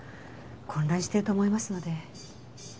混乱してると思いますので。